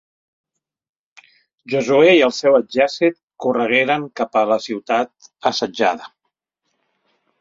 Josuè i el seu exèrcit corregueren cap a la ciutat assetjada.